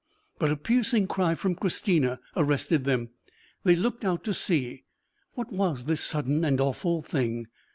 But a piercing cry from Christina arrested them. They looked out to sea. What was this sudden and awful thing?